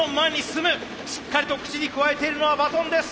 しっかりと口にくわえているのはバトンです。